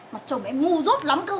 mà chồng em ngu rốt lắm cơ